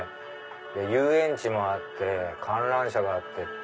遊園地もあって観覧車があって。